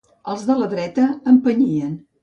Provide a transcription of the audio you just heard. Els de la dreta, empenyien